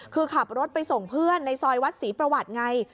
คือขับรถไปส่งเพื่อนในซอยวัดศรีประวัติไง